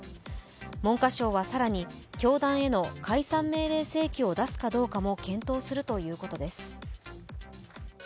文科省は更に、教団への解散命令請求を出すかどうかも検討するということです。